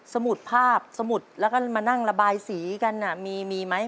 สมุดภาพสมุดแล้วก็มานั่งระบายสีกันมีไหม